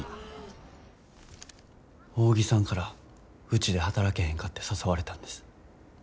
扇さんからうちで働けへんかて誘われたんです。